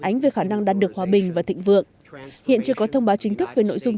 ánh về khả năng đạt được hòa bình và thịnh vượng hiện chưa có thông báo chính thức về nội dung